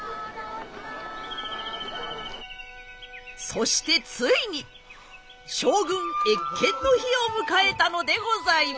そしてついに将軍謁見の日を迎えたのでございます。